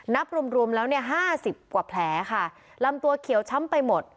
นับรวมรวมแล้วเนี่ยห้าสิบกว่าแผลค่ะลำตัวเขียวช้ำไปหมด